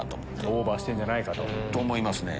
オーバーしてんじゃないかと。と思いますね。